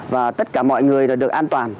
và tất cả mọi người được an toàn